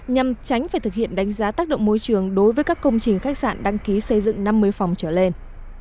nhằm tránh phải thực hiện đánh giá tác động môi trường đối với các công trình khách sạn đăng ký xây dựng năm mươi phòng trở lên